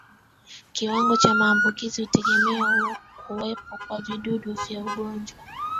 Kiwango cha maambukizi hutegemea kuwepo kwa vijidudu vya ugonjwa